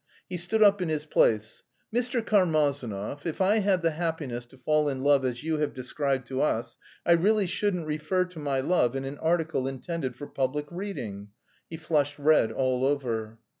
He stood up in his place. "Mr. Karmazinov, if I had the happiness to fall in love as you have described to us, I really shouldn't refer to my love in an article intended for public reading...." He flushed red all over.